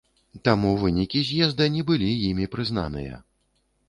Таму вынікі з'езда не былі імі прызнаныя.